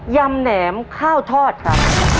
ยำแหนมข้าวทอดครับ